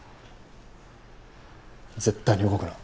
絶対に動くな。